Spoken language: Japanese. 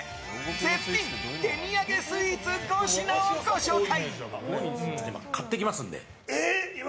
絶品手土産スイーツ５品をご紹介。